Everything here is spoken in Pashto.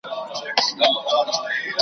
د ریا منبر ته خیژي ګناهکاره ثوابونه .